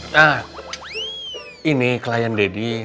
nah ini klien daddy